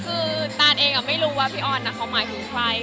คือตานเองไม่รู้ว่าพี่ออนเขาหมายถึงใคร